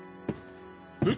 え？